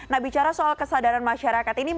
nah bicara soal kesadaran masyarakat ini